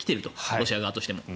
ロシア側としても。